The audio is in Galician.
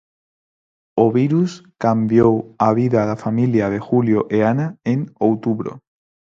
O virus cambiou a vida da familia de Julio e Ana en outubro.